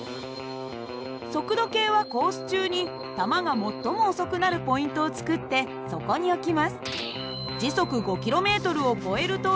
速度計はコース中に玉が最も遅くなるポイントを作ってそこに置きます。